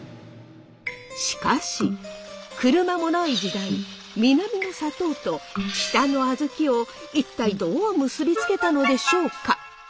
しかし車もない時代南の砂糖と北の小豆を一体どう結びつけたのでしょうか？